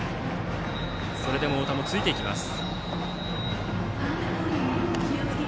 それでも太田もついていきます。